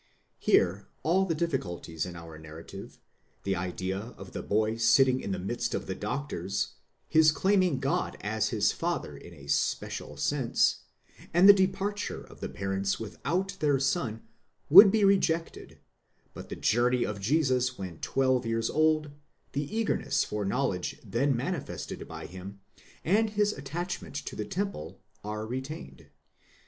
Here all the difficulties in our narrative,—the idea of the boy sitting in the midst of the doctors, his claiming God as his father in a special sense, and the departure of the parents without their son, would be rejected ; but the journey of Jesus when twelve years old, the eagerness for knowledge then manifested by him, and his attachment to the temple, are retained.